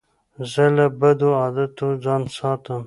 زه له بدو عادتو ځان ساتم.